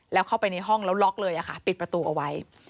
แล้วเข้าไปในห้องแล้วล็อกเลยปิดประตูเอาไว้